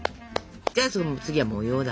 じゃあその次は模様だ。